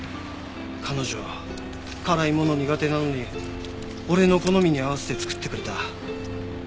彼女は辛いもの苦手なのに俺の好みに合わせて作ってくれた。